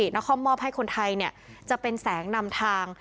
นครมอบให้คนไทยจะเป็นแสงนำทาง